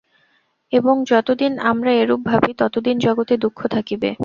এবং যতদিন আমরা এরূপ ভাবি, ততদিন জগতে দুঃখ থাকিবে।